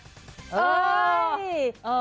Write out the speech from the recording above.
เออเออ